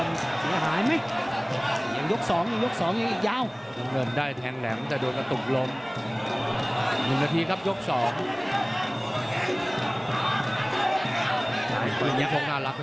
นี่ก็ไม่มีตำราเลยนะรกจาก